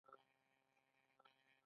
د پوهنتون دوو څېړونکو هغه وزمویله.